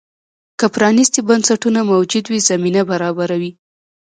که پرانیستي بنسټونه موجود وي، زمینه برابروي.